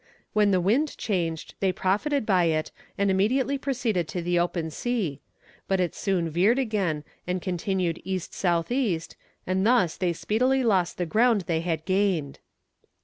When the wind changed, they profited by it, and immediately proceeded to the open sea but it soon veered again, and continued east south east, and thus they speedily lost the ground they had gained.